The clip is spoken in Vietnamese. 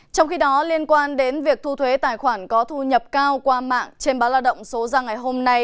trong khi đó liên quan đến việc thu thuế tài khoản có thu nhập cao qua mạng trên báo lao động số ra ngày hôm nay